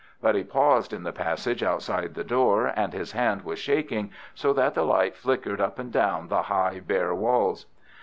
But he paused in the passage outside the door, and his hand was shaking, so that the light flickered up and down the high, bare walls.